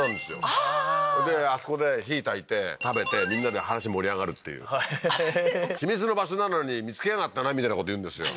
ああーであそこで火たいて食べてみんなで話盛り上がるっていうへえー秘密の場所なのに見つけやがったなみたいなこと言うんですよ